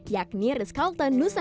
yakni ritz carlton nusa lumpur